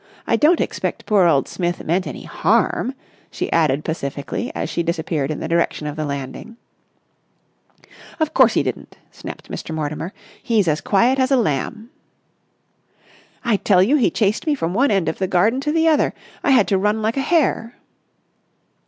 I don't expect poor old Smith meant any harm," she added pacifically, as she disappeared in the direction of the landing. "Of course he didn't," snapped Mr. Mortimer. "He's as quiet as a lamb." "I tell you he chased me from one end of the garden to the other! I had to run like a hare!"